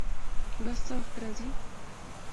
بس څه وخت راځي؟